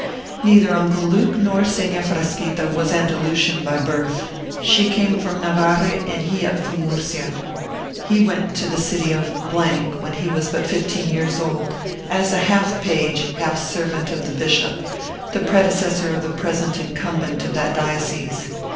Neither Uncle Luke nor Seña Frasquita was Andalusian by birth: she came from Navarre, and he from Murcia. He went to the city of when he was but fifteen years old, as half page, half servant of the bishop, the predecessor of the present incumbent of that diocese.